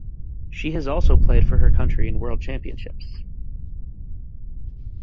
She has also played for her country in World Championships.